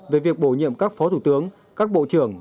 về việc bổ nhiệm các phó thủ tướng các bộ trưởng